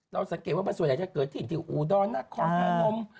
เราสังเกตว่ามันส่วนใหญ่จะเกิดที่อูดอลนักคอฮาลม